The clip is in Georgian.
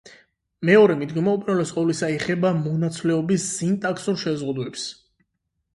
მეორე მიდგომა უპირველეს ყოვლისა ეხება მონაცვლეობის სინტაქსურ შეზღუდვებს.